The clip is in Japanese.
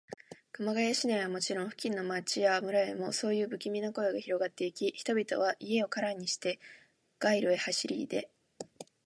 熊谷市内はもちろん、付近の町や村へも、そういうぶきみな声がひろがっていき、人々は家をからにして、街路へ走りいで、